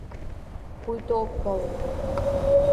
— Пуйто ок пале!